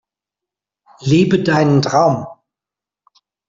Lebe deinen Traum!